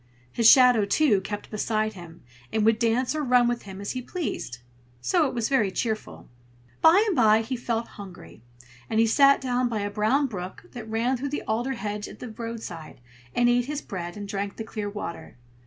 His shadow, too, kept beside him, and would dance or run with him as he pleased; so it was very cheerful. By and by he felt hungry; and he sat down by a brown brook that ran through the alder hedge by the roadside, and ate his bread, and drank the clear water.